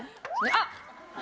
あっ！